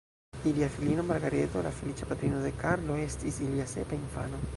Ilia filino Margareto, la feliĉa patrino de Karlo, estis ilia sepa infano.